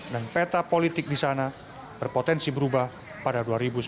dan peta politik di sana berpotensi berubah pada dua ribu sembilan belas